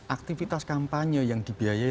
aktivitas kampanye yang dibiayai